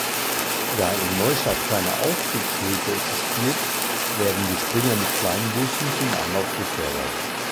Da in Neustadt keine Aufstiegshilfe existiert, werden die Springer mit Kleinbussen zum Anlauf befördert.